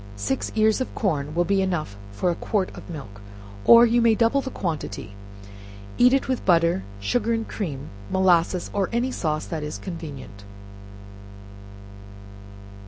Six ears of corn will be enough for a quart of milk, or you may double the quantity; eat it with butter, sugar and cream, molasses, or any sauce that is convenient.